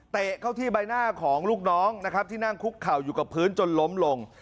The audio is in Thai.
เข้าที่ใบหน้าของลูกน้องนะครับที่นั่งคุกเข่าอยู่กับพื้นจนล้มลง